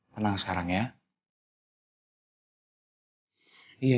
tenang sekarang ya